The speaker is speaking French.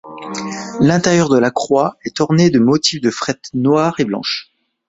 L'intérieur de la croix est orné de motifs de frettes noires et blanches.